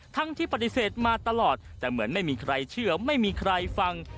ทั้งที่ปฏิเสธมาตลอดแต่เหมือนไม่มีใครเชื่อไม่มีใครฟัง